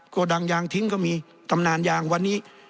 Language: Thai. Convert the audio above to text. โกดังยางทิ้งก็มีตำนานยางวันนี้